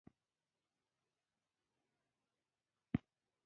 ژبې د افغان ځوانانو د روښانه هیلو او ارمانونو پوره استازیتوب کوي.